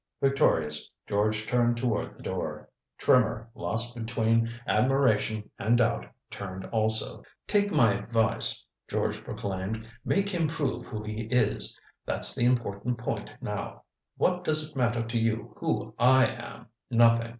Victorious, George turned toward the door. Trimmer, lost between admiration and doubt, turned also. "Take my advice," George proclaimed. "Make him prove who he is. That's the important point now. What does it matter to you who I am? Nothing.